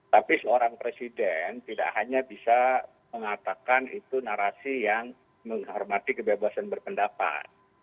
tapi seorang presiden tidak hanya bisa mengatakan itu narasi yang menghormati kebebasan berpendapat